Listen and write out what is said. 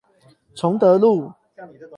崇德路